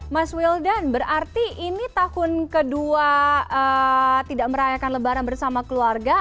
mas wildan berarti ini tahun kedua tidak merayakan lebaran bersama keluarga